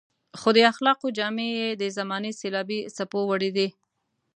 خو د اخلاقو جامې يې د زمانې سېلابي څپو وړي دي.